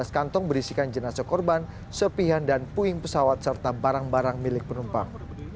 lima belas kantong berisikan jenazah korban serpihan dan puing pesawat serta barang barang milik penumpang